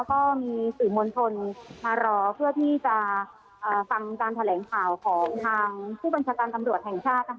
ก็มีสื่อมวลชนมารอเพื่อที่จะฟังการแถลงข่าวของทางผู้บัญชาการตำรวจแห่งชาติ